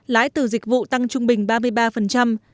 lãi từ dịch vụ tăng trung bình ba mươi ba